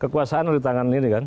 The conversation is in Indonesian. kekuasaan di tangan ini kan